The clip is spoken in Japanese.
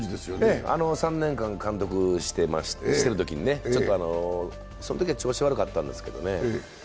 はい、３年間監督をしてるときにね、そのときは調子悪かったんですけどね。